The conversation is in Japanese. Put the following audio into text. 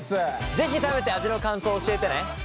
是非食べて味の感想を教えてね。